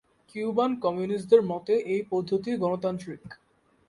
Cuban কমিউনিস্টদের মতে এই পদ্ধতি গণতান্ত্রিক।